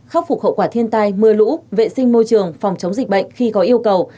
khắc phục hậu quả thiên tai mưa lũ vệ sinh môi trường phòng chống dịch bệnh khi có yêu cầu